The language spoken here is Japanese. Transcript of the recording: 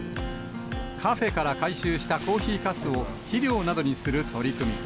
カフェから回収したコーヒーかすを、肥料などにする取り組み。